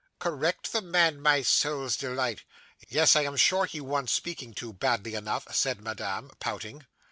'Correct the man, my soul's delight!' 'Yes; I am sure he wants speaking to, badly enough,' said Madame, pouting.